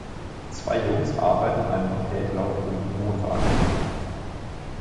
Zwei Jungs arbeiten an einem hellblaugrünen Wohnwagenanhänger.